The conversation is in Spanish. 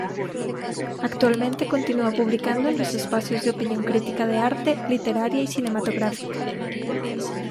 Actualmente continúa publicando en los espacios de opinión crítica de arte, literaria y cinematográfica.